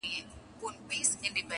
• غوجله لا هم خاموشه ولاړه ده.